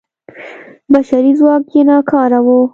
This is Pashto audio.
بشري ځواک یې ناکاره و.